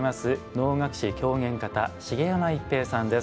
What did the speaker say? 能楽師狂言方茂山逸平さんです。